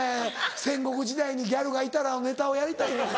「戦国時代にギャルがいたら」のネタをやりたいのか？